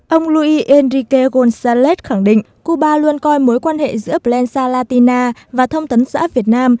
ông luis enrique gonzález khẳng định cuba luôn coi mối quan hệ giữa plensa latina và thông tấn xã việt nam